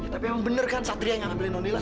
tapi emang bener kan satria yang ambilin nona nila